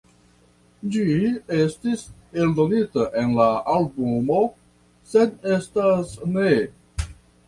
Ĝi estis eldonita en la albumo "Sed estas ne..."